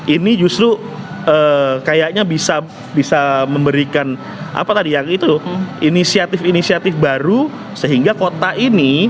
ini justru kayaknya bisa memberikan apa tadi yang itu loh inisiatif inisiatif baru sehingga kota ini